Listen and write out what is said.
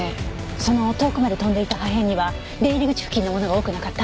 その遠くまで飛んでいた破片には出入り口付近のものが多くなかった？